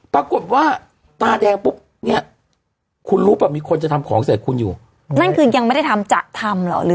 ปรากฏว่าตาแดงปุ๊บคุณรุปมีคนจะทำของเสร็จคุณอยู่นั่นคือยังไม่ได้ทำฉะทำหรือ